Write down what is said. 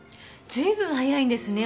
随分早いんですね